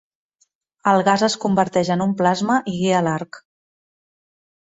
El gas es converteix en un plasma i guia l'arc.